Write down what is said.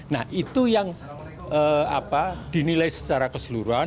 nah itu yang dinilai secara keseluruhan